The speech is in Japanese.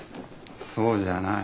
そうじゃない。